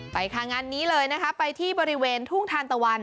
ไปค่ะงานนี้เลยนะคะไปที่บริเวณทุ่งทานตะวัน